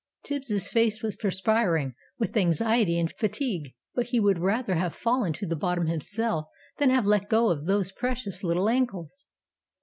Tibbs' face was perspiring with anxiety and fatigue, but he would rather have fallen to the bottom himself, than have let go of those precious little ankles.